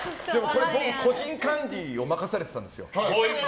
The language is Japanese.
僕、個人管理を任されてたんですよ。